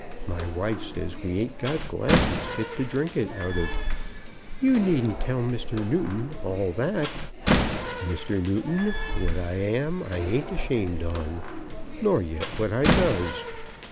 My wife says we ain't got glasses fit to drink it out of." "You needn't tell Mr. Newton all that." "Mr. Newton, what I am I ain't ashamed on, nor yet what I does.